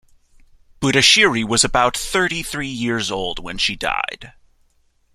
Budashiri was about thirty-three years old when she died.